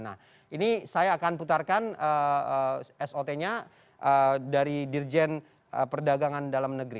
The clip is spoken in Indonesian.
nah ini saya akan putarkan sot nya dari dirjen perdagangan dalam negeri